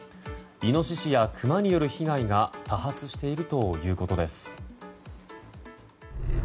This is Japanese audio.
イノシシやクマによる被害が多発しているということです。